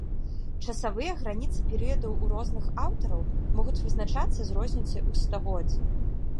Часавыя граніцы перыядаў у розных аўтараў могуць вызначацца з розніцай у стагоддзе.